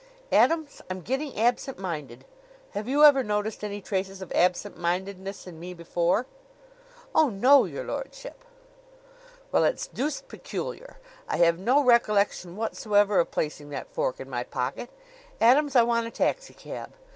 "Adams, I'm getting absent minded. Have you ever noticed any traces of absent mindedness in me before?" "Oh, no, your lordship." "Well, it's deuced peculiar! I have no recollection whatsoever of placing that fork in my pocket ... Adams, I want a taxicab."